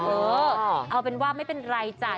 เออเอาเป็นว่าไม่เป็นไรจ้ะ